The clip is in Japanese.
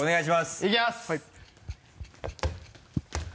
いきます！